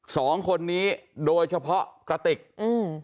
สองคนนี้โดยเฉพาะกระติกอืม